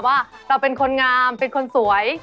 ว่าเราเป็นคนงามเป็นคนสวย